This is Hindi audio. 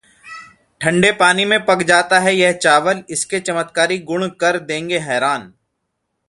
ठंडे पानी में पक जाता है यह चावल, इसके चमत्कारी गुण कर देंगे हैरान